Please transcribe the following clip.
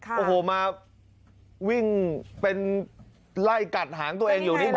โอ้โหมาวิ่งเป็นไล่กัดหางตัวเองอยู่นี่เห